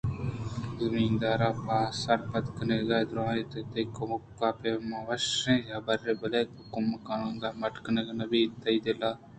زمیندار ءَ پہ سرپد کنگ ءَ درّائینت تئی کمک پہ مناوشیں حبرے بلئے حکمءُقانود مٹ کنگ نہ بنت تئی دل ءَ یک شپے ءِ گپ انت